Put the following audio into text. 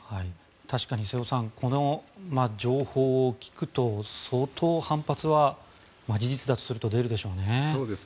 確かに瀬尾さん、この情報を聞くと相当、反発は事実だとすると出るでしょうね。